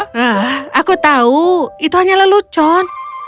hah aku tahu itu hanya lelucon